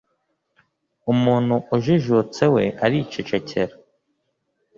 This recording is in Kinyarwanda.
umuntu ujijutse we aricecekera